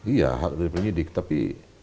iya hak dari penyidik tapi